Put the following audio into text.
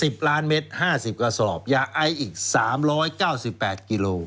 ล้านเมตรห้าสิบกระสอบยาไออีกสามร้อยเก้าสิบแปดกิโล